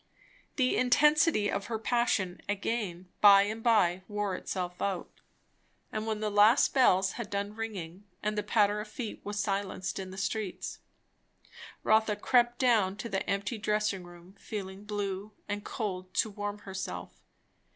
The intensity of her passion again by and by wore itself out; and when the last bells had done ringing, and the patter of feet was silenced in the streets, Rotha crept down to the empty dressing room, feeling blue and cold, to warm herself.